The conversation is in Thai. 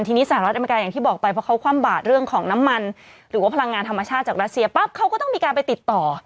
ทีนี้สหรัฐอเมริกาอย่างที่บอกไปเพราะเขาคว่ำบาดเรื่องของน้ำมันหรือว่าพลังงานธรรมชาติจากรัสเซียปั๊บเขาก็ต้องมีการไปติดต่อ